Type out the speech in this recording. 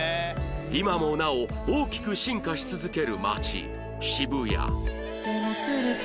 今もなお大きく進化し続ける街渋谷